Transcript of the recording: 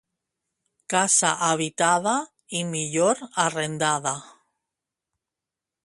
Casa habitada, i millor arrendada.